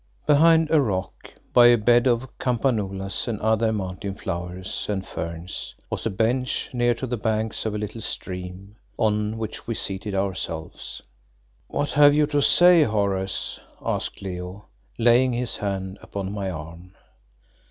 Behind a rock by a bed of campanulas and other mountain flowers and ferns, was a bench near to the banks of a little stream, on which we seated ourselves. "What have you to say, Horace?" asked Leo laying his hand upon my arm.